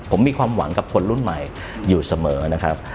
ผมมีความหวังกับคนรุ่นใหม่อยู่เสมอนะครับ